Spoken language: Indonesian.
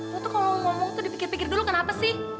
aku tuh kalau ngomong tuh dipikir pikir dulu kenapa sih